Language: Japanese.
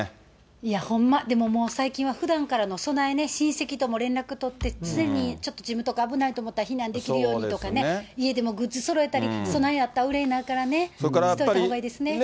いやほんま、でも最近はふだんからの備えね、親戚とも連絡取って、常にちょっと自分のとこが危ないと思ったら、避難できるようにとかね、家でもグッズそろえたり、備えあったら憂いありやからね。